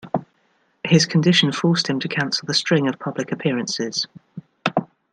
His condition forced him to cancel a string of public appearances.